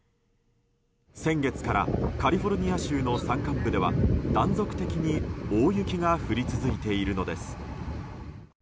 先月からカリフォルニア州の山間部では断続的に大雪が降り続いているのです。